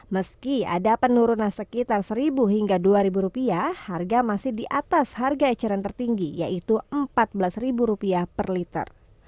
meski ada penurunan sekitar rp satu hingga rp dua harga masih di atas harga eceran tertinggi yaitu rp empat belas per liter